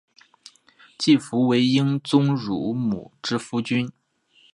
季福为英宗乳母之夫君。